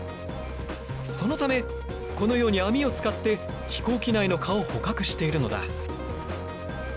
そのためこのように網を使って飛行機内の蚊を捕獲しているのだ。